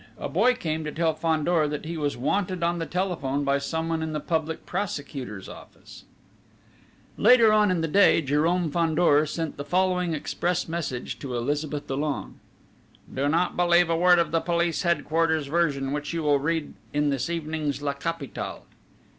A boy came to tell Fandor that he was wanted on the telephone by someone in the Public Prosecutor's Office. Later on in the day Jérôme Fandor sent the following express message to Elizabeth Dollon: _"Do not believe a word of the Police Headquarters' version which you will read in this evening's 'La Capitale.'"